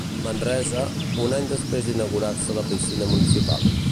Manresa, un any després d'inaugurar-se la piscina municipal.